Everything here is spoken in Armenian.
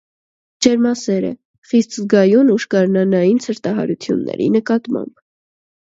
Ջերմասեր է, խիստ զգայուն ուշ գարնանային ցրտահարությունների նկատմամբ։